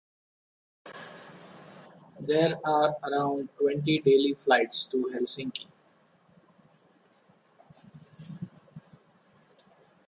There are around twenty daily flights to Helsinki.